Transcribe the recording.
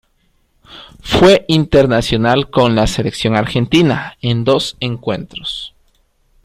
Fue internacional con la Selección Argentina en dos encuentros.